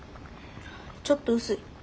ちょっと薄い。